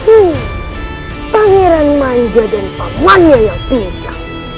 ini pangeran manja dan pamalia yang bencam